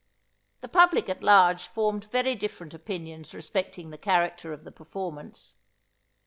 The public at large formed very different opinions respecting the character of the performance.